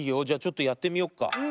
じゃちょっとやってみよっか。